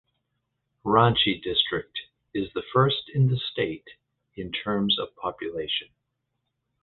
Ranchi district is the first in the state in terms of population.